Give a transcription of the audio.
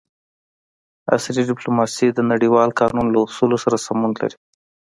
عصري ډیپلوماسي د نړیوال قانون له اصولو سره سمون لري